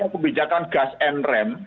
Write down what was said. kebijakan gas and rem